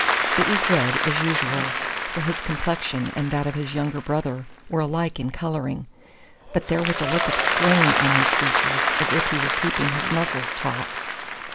It was red, as usual, for his complexion and that of his younger brother were alike in colouring; but there was a look of strain on his features, as if he were keeping his muscles taut.